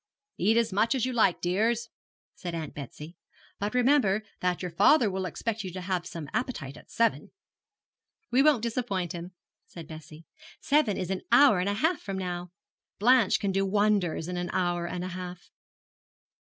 'Eat as much as you like, dears,' said Aunt Betsy, 'but remember that your father will expect you to have some appetite at seven.' 'We won't disappoint him,' said Bessie; 'seven is an hour and half from now. Blanche can do wonders in an hour and a half.'